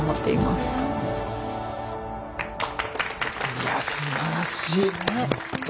いやすばらしいほんと。